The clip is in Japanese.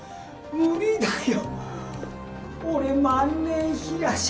無理だよ